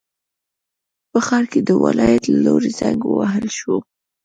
په ښار کې د ولایت له لوري زنګ ووهل شو.